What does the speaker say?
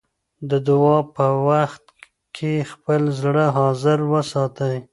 د دعا په وخت کې خپل زړه حاضر وساتئ.